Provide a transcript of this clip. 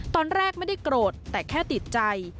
ตอนแรกไม่ได้โกรธแต่แค่ติดใจ